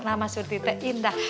nama surti teh indah